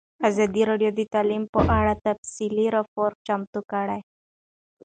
ازادي راډیو د تعلیم په اړه تفصیلي راپور چمتو کړی.